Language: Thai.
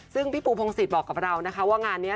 ซึ่งพี่ปูพงศิษย์บอกกับเรานะคะว่างานนี้